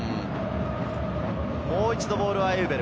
もう一度、ボールはエウベル。